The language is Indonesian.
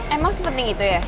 emang sepenting itu ya